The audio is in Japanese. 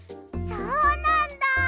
そうなんだ。